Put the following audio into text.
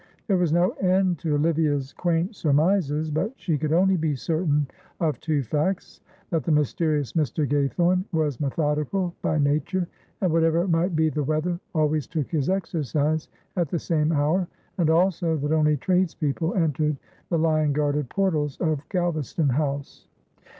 There was no end to Olivia's quaint surmises, but she could only be certain of two facts that the mysterious Mr. Gaythorne was methodical by nature, and whatever might be the weather always took his exercise at the same hour, and also that only tradespeople entered the lion guarded portals of Galvaston House.